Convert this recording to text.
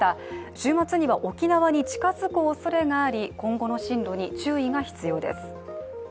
週末には沖縄に近づくおそれがあり今後の進路に注意が必要です。